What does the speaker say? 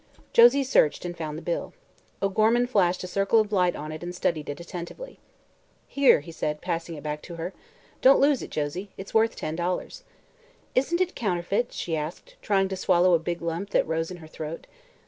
Josie searched and found the bill. O'Gorman flashed a circle of light on it and studied it attentively. "Here," he said, passing it back to her. "Don't lose it, Josie. It's worth ten dollars." "Isn't it counterfeit?" she asked, trying to swallow a big lump that rose in her throat.